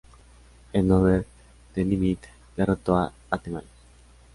En "Over the Limit" derrotó a The Miz.